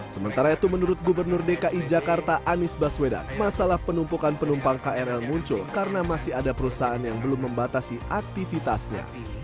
sementara itu menurut gubernur dki jakarta anies baswedan masalah penumpukan penumpang krl muncul karena masih ada perusahaan yang belum membatasi aktivitasnya